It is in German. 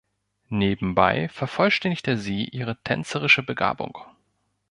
Nebenbei vervollständigte sie ihre tänzerische Begabung.